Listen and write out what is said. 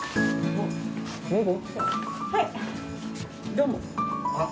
どうも。